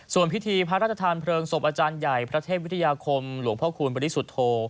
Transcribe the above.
ส่วนพิธีพระราชทานเพลิงศพอาจารย์ใหญ่พระเทพวิทยาคมหลวงพ่อคูณบริสุทธโธ